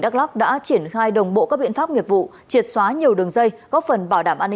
đắk lắc đã triển khai đồng bộ các biện pháp nghiệp vụ triệt xóa nhiều đường dây góp phần bảo đảm an